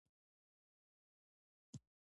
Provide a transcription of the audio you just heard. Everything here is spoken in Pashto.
کارکوونکي پیرودونکو ته د مالي سپما مشورې ورکوي.